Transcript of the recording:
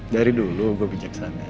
dari dulu gue bijaksana